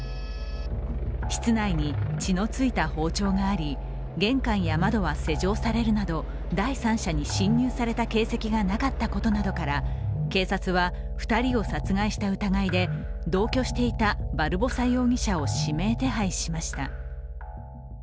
室内に血の付いた包丁があり玄関や窓は施錠されるなど第三者に侵入された形跡がなかったことなどから警察は２人を殺害した疑いで同居していたバルボサ容疑者を指名手配しました。